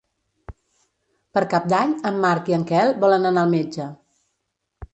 Per Cap d'Any en Marc i en Quel volen anar al metge.